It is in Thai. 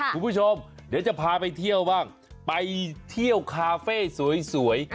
คุณผู้ชมเดี๋ยวจะพาไปเที่ยวบ้างไปเที่ยวคาเฟ่สวย